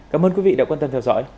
cảm ơn quý vị đã quan tâm theo dõi